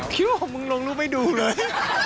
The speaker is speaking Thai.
คิดว่าหรอกมึงลงรูปไม่ดูเลย